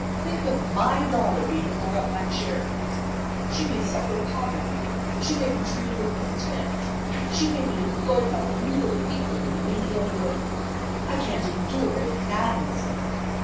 "Think of my daughter being brought up by charity! She may suffer poverty, she may be treated with contempt, she may be employed by brutal people in menial work. I can't endure it; it maddens me.